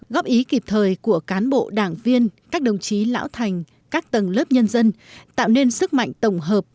góp ý kịp thời của cán bộ đảng viên các đồng chí lão thành các tầng lớp nhân dân tạo nên sức mạnh tổng hợp